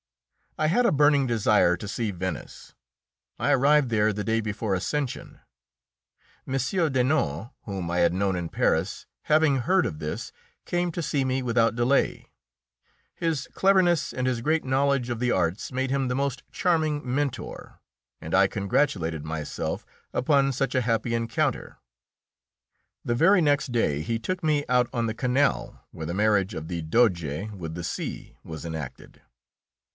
I had a burning desire to see Venice; I arrived there the day before Ascension. M. Denon, whom I had known in Paris, having heard of this, came to see me without delay. His cleverness and his great knowledge of the arts made him the most charming mentor, and I congratulated myself upon such a happy encounter. The very next day he took me out on the canal, where the marriage of the Doge with the sea was enacted.